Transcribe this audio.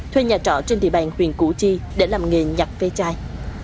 thuê nhà trọ trên địa bàn huyện củ chi để làm nghề nhặt ve chai